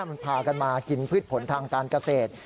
มันพากันมากินพืชผลทางการเกษตร